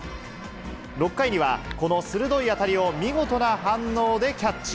６回には、この鋭い当たりを見事な反応でキャッチ。